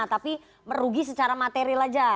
tapi merugi secara material saja